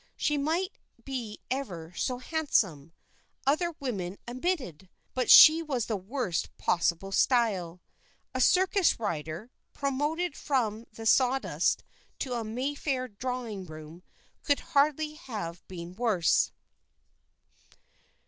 She might be ever so handsome, other women admitted, but she was the worst possible style. A circus rider, promoted from the sawdust to a Mayfair drawing room, could hardly have been worse.